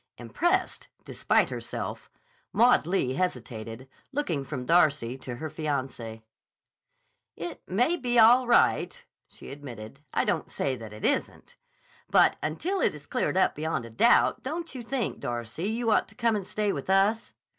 Impressed, despite herself, Maud Lee hesitated, looking from Darcy to her fiancé. "It may be all right," she admitted. "I don't say that it isn't. But until it is cleared up beyond a doubt, don't you think, Darcy, you ought to come and stay with us?"